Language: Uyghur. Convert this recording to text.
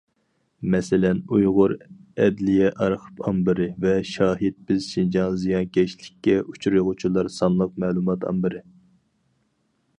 مەسىلەن «ئۇيغۇر ئەدلىيە ئارخىپ ئامبىرى» ۋە «شاھىت بىز شىنجاڭ زىيانكەشلىككە ئۇچرىغۇچىلار سانلىق مەلۇمات ئامبىرى» .